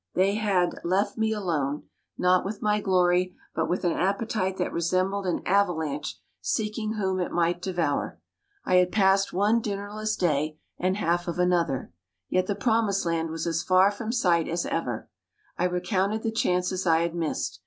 They had "left me alone," not with my glory, but with an appetite that resembled an avalanche seeking whom it might devour. I had passed one dinnerless day, and half of another; yet the promised land was as far from sight as ever. I recounted the chances I had missed.